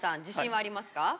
自信はありますか？